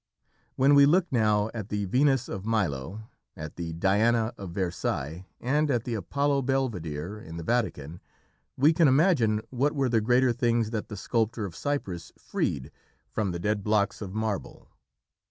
When we look now at the Venus of Milo, at the Diana of Versailles, and at the Apollo Belvidere in the Vatican, we can imagine what were the greater things that the sculptor of Cyprus freed from the dead blocks of marble.